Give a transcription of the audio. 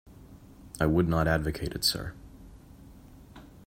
I would not advocate it, sir.